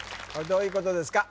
どういうことですか？